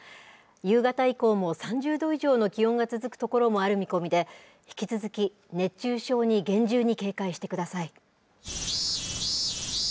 夕方以降も３０度以上の気温が続く所もある見込みで、引き続き、熱中症に厳重に警戒してください。